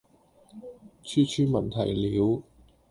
處處聞啼鳥